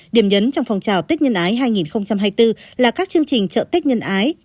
điểm nhấn trong phong trào tết nhân ái hai nghìn hai mươi bốn là các chương trình chợ tết nhân ái